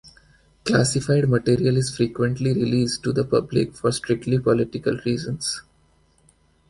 Classified material is frequently released to the public for strictly political reasons.